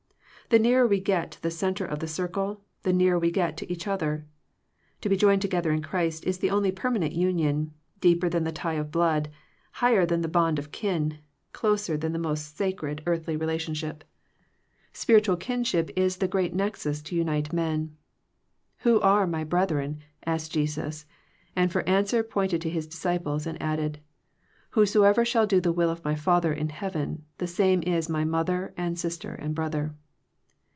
The nearer we get to the centre of the circle, the nearer we get to each other. To be joined together in Christ is the only permanent union, deeper than the tie of blood, higher than the bond of kin, closer than the most sacred earthly 228 Digitized by VjOOQIC THE HIGHER FRIENDSHIP relationship. Spiritual kinship is the great nexus to unite men. "Who are My brethren ?" asked Jesus, and for an swer pointed to His disciples, and added, "Whosoever shall do the will of My Father in heaven the same is My mother and sister and brother."